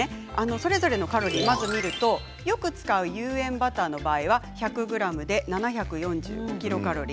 それぞれのカロリーを見てみるとよく使う有塩バターの場合は１００ｇで７４５ｋｃａｌ。